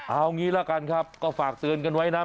เอางี้ละกันครับก็ฝากเตือนกันไว้นะ